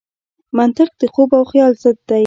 منطق د خوب او خیال ضد دی.